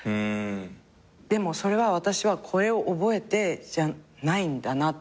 でもそれは私はこれを覚えてじゃないんだなと思ってやめて。